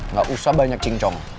nggak usah banyak cincong